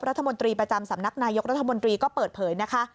รัฐมนตรีประจำสำนักนายกรัฐมนตรีก็เปิดเผยนะคะ